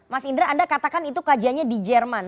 mas indra anda katakan itu kajiannya di jerman